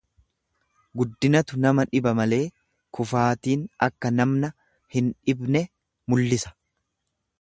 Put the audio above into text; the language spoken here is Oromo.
Guddinatu nama dhiba malee kufaatiin akka namna hin dhibne mullisa.